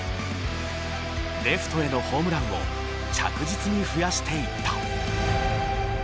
レフトへのホームランを着実に増やしていった。